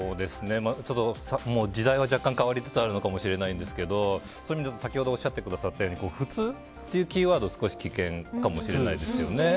もう時代は若干変わりつつあるのかもしれないんですがそういう意味だと先ほどおっしゃられたように普通というキーワードは少し危険かもしれないです。